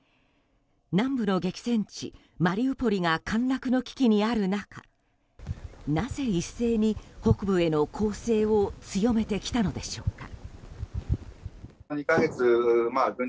南部の激戦地マリウポリが陥落の危機にある中なぜ一斉に、北部への攻勢を強めてきたのでしょうか。